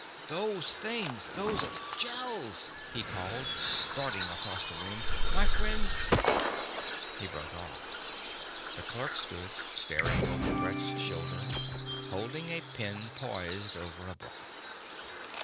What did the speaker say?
"Those things, those Gels!" he called, starting across the room. "My friend " He broke off. The clerk stood, staring over Brett's shoulder, holding a pen poised over a book.